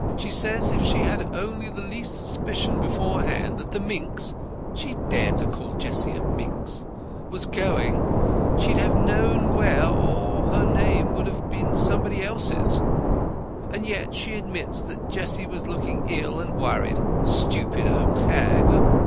She says if she had only had the least suspicion beforehand that the minx (she dared to call Jessie a minx) was going, she'd have known where, or her name would have been somebody else's. And yet she admits that Jessie was looking ill and worried. Stupid old hag!"